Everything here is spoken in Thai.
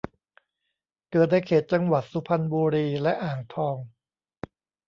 เกิดในเขตจังหวัดสุพรรณบุรีและอ่างทอง